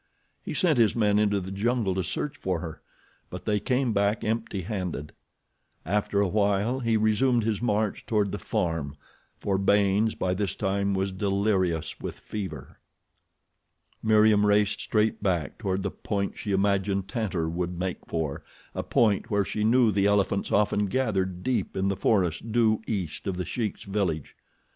He sent his men into the jungle to search for her; but they came back empty handed. After a while he resumed his march toward the farm, for Baynes, by this time, was delirious with fever. Meriem raced straight back toward the point she imagined Tantor would make for—a point where she knew the elephants often gathered deep in the forest due east of The Sheik's village.